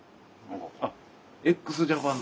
あっＸＪＡＰＡＮ